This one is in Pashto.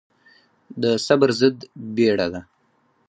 د صبر ضد بيړه ده.